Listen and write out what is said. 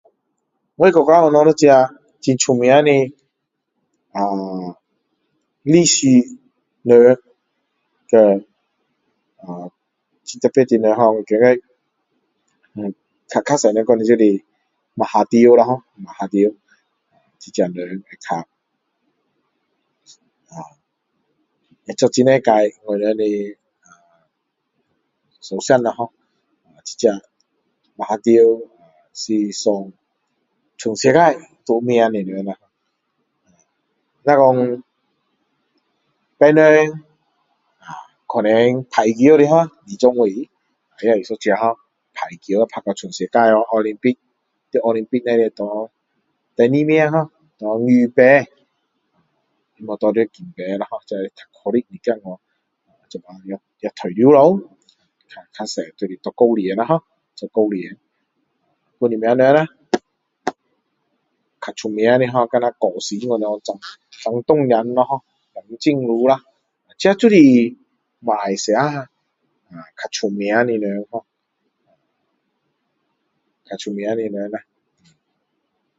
我很喜欢有一个啊历史人，叫啊这个人hor我觉得，比较多人讲的就是马哈迪了hor马哈迪 这个人啊做很多届我们的呃首相咯hor,这个马哈迪是算全世界有名的人啊 如果别人啊可能打羽球的hor，打羽球打到全世界wo hor, Olympic, 在Olympic 里面拿第二名hor 拿银牌 没有拿到金牌了hor 可惜一点喔现在也退休了 看比较多就是做教练了hor 做教练有什么人啦 比较出名的hor 像歌星那样 张东梁了hor 梁静茹啦这就是 马来西亚啊比较出名的人hor 比较出名的人啦